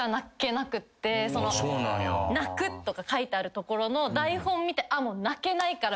「泣く」とか書いてあるところの台本見てもう泣けないから。